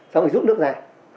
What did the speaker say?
xong rồi rút nước ra